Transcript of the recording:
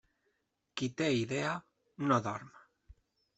Qui té idea, no dorm.